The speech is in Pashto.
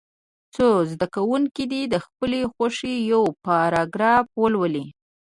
څو زده کوونکي دې د خپلې خوښې یو پاراګراف ولولي.